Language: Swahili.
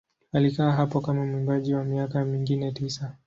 Alikaa hapo kama mwimbaji kwa miaka mingine tisa.